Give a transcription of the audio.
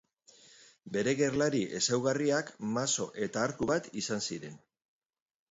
Bere gerlari ezaugarriak, mazo eta arku bat izan ziren.